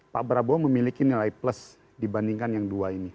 pak prabowo memiliki nilai plus dibandingkan yang dua ini